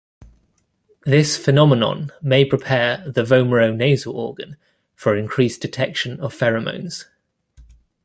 This phenomenon may prepare the vomeronasal organ for increased detection of pheromones.